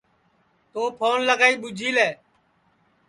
توں پھون لگائی ٻوچھی لے